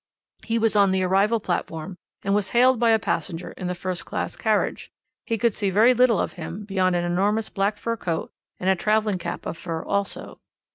He was on the arrival platform, and was hailed by a passenger in a first class carriage. He could see very little of him beyond an enormous black fur coat and a travelling cap of fur also.